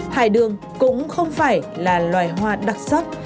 hải đường cũng không phải là loài hoa đặc sắc